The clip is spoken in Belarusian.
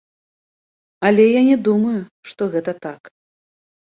Але я не думаю, што гэта так.